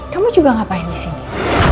kamu juga ngapain disini